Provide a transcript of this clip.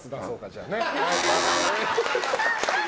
じゃあね。